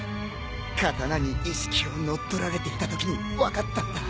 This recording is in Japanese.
刀に意識を乗っ取られていたときに分かったんだ。